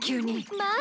まあ！